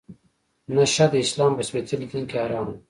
نشه د اسلام په سپیڅلي دین کې حرامه ده.